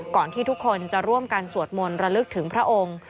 ที่ทุกคนจะร่วมกันสวดมนต์ระลึกถึงพระองค์